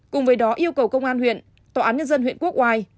cùng với đó yêu cầu công an huyện tòa án nhân dân huyện quốc oai